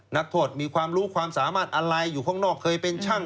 นักโทษมีความรู้ความสามารถอะไรอยู่ข้างนอกเคยเป็นช่าง